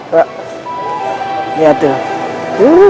wah lihat tuh